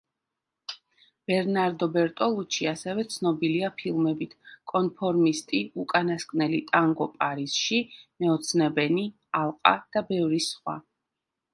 ბერნარდო ბერტოლუჩი ასევე ცნობილია ფილმებით: „კონფორმისტი“, „უკანასკნელი ტანგო პარიზში“, „მეოცნებენი“, „ალყა“ და ბევრი სხვა.